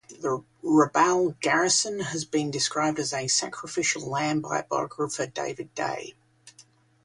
The Rabaul garrison has been described as a "sacrificial lamb" by biographer David Day.